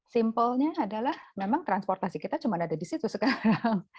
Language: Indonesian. simpelnya adalah memang transportasi kita cuma ada di situ sekarang